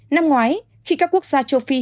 năm ngoái khi các quốc gia châu phi